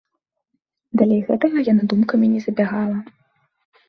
Далей гэтага яна думкамі не забягала.